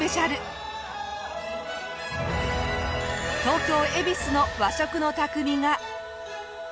東京恵比寿の和食の匠が。